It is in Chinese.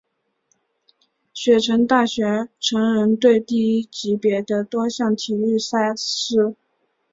雪城大学橙人队第一级别的多项体育赛事。